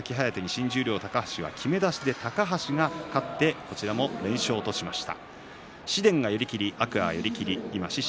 新十両高橋は高橋が勝ってこちらも連勝としました。